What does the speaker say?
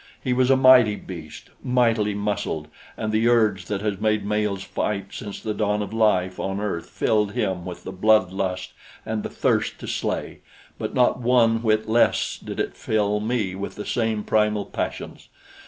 He was a mighty beast, mightily muscled, and the urge that has made males fight since the dawn of life on earth filled him with the blood lust and the thirst to slay; but not one whit less did it fill me with the same primal passions.